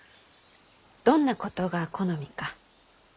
どんなことが好みか？